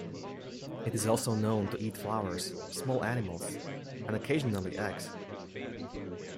It is also known to eat flowers, small animals, and occasionally eggs.